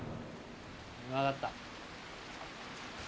分かった。